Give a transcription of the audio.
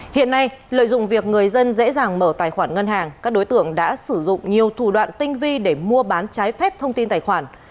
hiện nay lợi dụng việc người dân dễ dàng mở tài khoản ngân hàng các đối tượng đã sử dụng nhiều thủ đoạn tinh vi để mua bán trái phép thông tin tài khoản